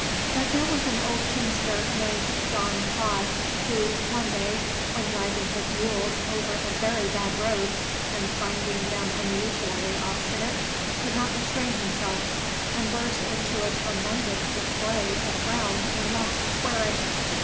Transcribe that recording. But there was an old teamster named John Todd, who, one day when driving his mules over a very bad road, and finding them unusually obstinate, could not restrain himself, and burst into a tremendous display of ground and lofty swearing.